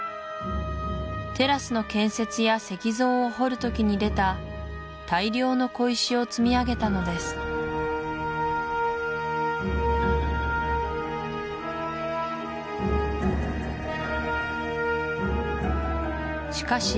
テラスの建設や石像を彫る時に出た大量の小石を積み上げたのですしかし